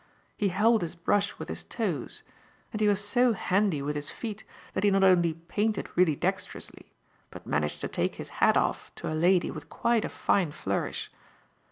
He held his brush with his toes; and he was so handy with his feet that he not only painted really dextrously, but managed to take his hat off to a lady with quite a fine flourish.